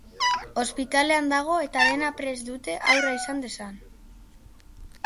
Ospitalean dago eta dena prest dute haurra izan dezan.